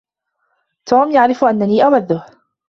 توم يعرف أنني أوده.